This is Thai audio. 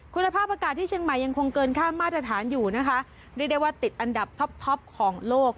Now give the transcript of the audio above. คุณภาพอากาศที่เชียงใหม่ยังคงเกินค่ามาตรฐานอยู่นะคะเรียกได้ว่าติดอันดับท็อปท็อปของโลก